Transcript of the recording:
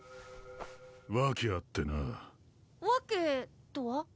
訳あってな訳とは？